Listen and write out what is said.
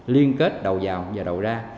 liên kết đầu vào và đầu ra